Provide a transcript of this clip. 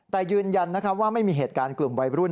แต่ยืนยันว่าไม่มีเหตุการณ์กลุ่มวัยรุ่น